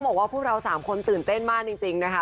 บอกว่าพวกเรา๓คนตื่นเต้นมากจริงนะคะ